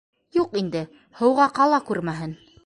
— Юҡ инде, һыуға ҡала күрмәһен.